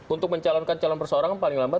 untuk mencalonkan calon persoarangan paling lambat